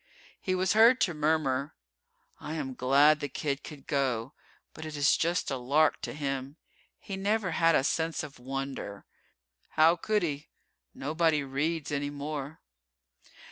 He was heard to murmur, "I am glad the kid could go, but it is just a lark to him. He never had a 'sense of wonder.' How could he nobody reads anymore."